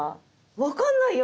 分かんないよ！